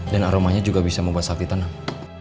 dan aromanya juga bisa membuat sakti tenang